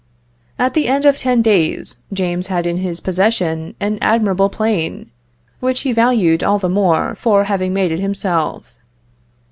At the end of ten days, James had in his possession an admirable plane, which he valued all the more for having made it himself.